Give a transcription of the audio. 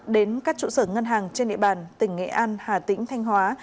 đến các trụ sở ngân hàng trên địa bàn tỉnh nghệ an hà tĩnh thanh hóa